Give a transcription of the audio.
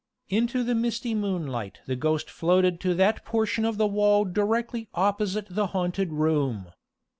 Into the misty moonlight the ghost floated to that portion of the wall directly opposite the haunted room.